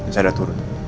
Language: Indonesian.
saya udah turun